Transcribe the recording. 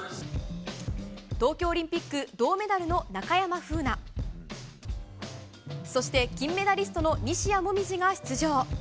東京オリンピック銅メダルの中山楓奈そして金メダリストの西矢椛が出場。